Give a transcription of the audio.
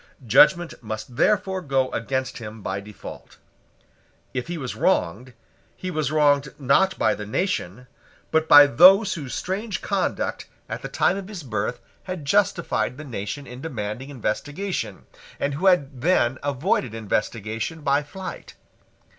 Judgment must therefore go against him by default. If he was wronged, he was wronged, not by the nation, but by those whose strange conduct at the time of his birth had justified the nation in demanding investigation, and who had then avoided investigation by flight.